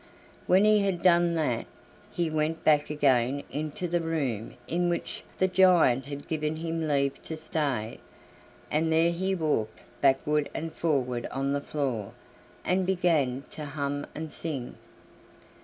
When he had done that, he went back again into the room in which the giant had given him leave to stay, and there he walked backward and forward on the floor, and began to hum and sing.